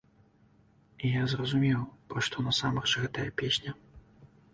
І я зразумеў, пра што насамрэч гэтая песня.